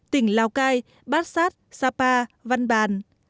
tỉnh lào cai bát sát sa pa văn bàn